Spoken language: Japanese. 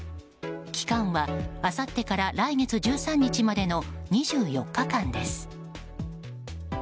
期間はあさってから来月１３日までの２４日間です。